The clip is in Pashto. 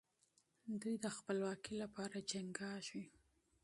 دوی د خپلواکۍ لپاره جنګېږي.